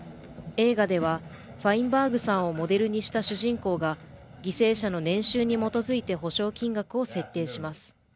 映画ではファインバーグさんをモデルにした主人公が犠牲者の年収に基づいて補償金額を設定します。